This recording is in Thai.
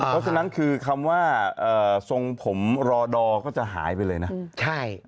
เพราะฉะนั้นคือคำว่าเอ่อส่งผมรอดอก็จะหายไปเลยน่ะใช่